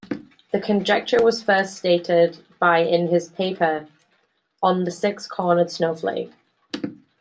The conjecture was first stated by in his paper 'On the six-cornered snowflake'.